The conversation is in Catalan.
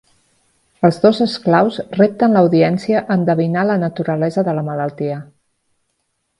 Els dos esclaus repten l'audiència a endevinar la naturalesa de la malaltia.